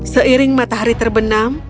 seiring matahari terbenam